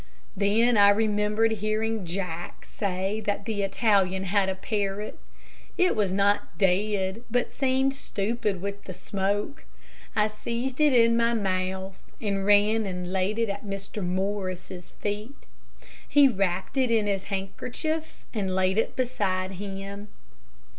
Then I remembered hearing Jack say that the Italian had a parrot. It was not dead, but seemed stupid with the smoke. I seized it in my mouth, and ran and laid it at Mr. Morris's feet. He wrapped it in his handkerchief, and laid it beside him.